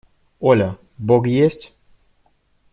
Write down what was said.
– Оля, бог есть?